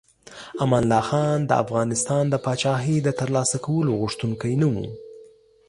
امان الله خان د افغانستان د پاچاهۍ د ترلاسه کولو غوښتونکی نه و.